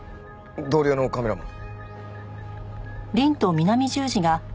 同僚のカメラマン。